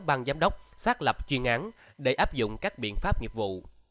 bang giám đốc xác lập chuyên án để áp dụng các biện pháp nghiệp vụ